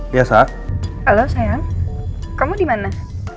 biasa kalau sayang kamu dimana